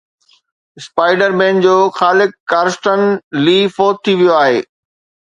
spider Man جو خالق ڪارسٽن لي فوت ٿي ويو آهي